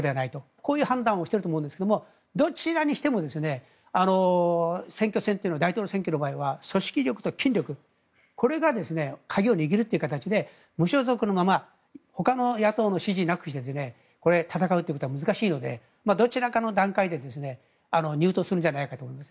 こういう判断をしていると思うんですがどちらにしても選挙戦というのは大統領選挙の場合は組織力と権力これが鍵を握るという形で無所属のままほかの野党の支持なくしてこれを戦うということは難しいのでどちらかの段階で入党するんじゃないかと思います。